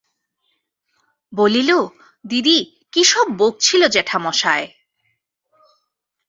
বলিল, দিদি কি সব বকছিল জেঠামশায়।